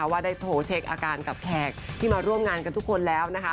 ว่าได้โทรเช็คอาการกับแขกที่มาร่วมงานกันทุกคนแล้วนะคะ